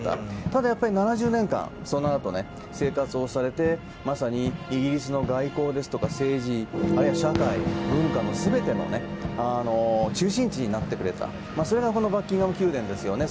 ただ、７０年間そのあと生活をされてまさにイギリスの外交とか政治あるいは社会、文化すべての中心地になってくれたそれがバッキンガム宮殿ですよね。